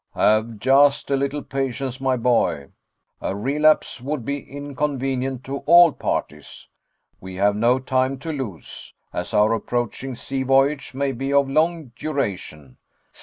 "Have just a little patience, my boy. A relapse would be inconvenient to all parties. We have no time to lose as our approaching sea voyage may be of long duration."